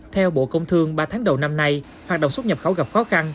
theo bộ công thương ba tháng đầu năm nay hoạt động xuất nhập khẩu gặp khó khăn